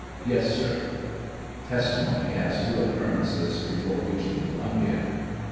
Yes, sir. (Testimony as to occurrences before reaching Co lumbia.)